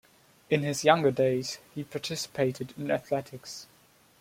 In his younger days, he participated in athletics.